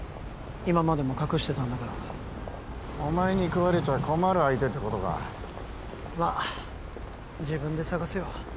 今までも隠してたんだからお前に喰われちゃ困る相手ってことかまあ自分で探すよ